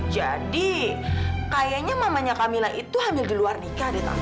jadi kayaknya mamanya kamila itu hamil di luar nikah tante